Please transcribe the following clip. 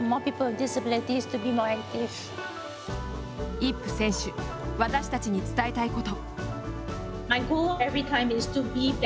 イップ選手私たちに伝えたいこと。